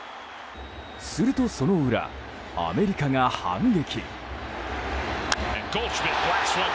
すると、その裏アメリカが反撃。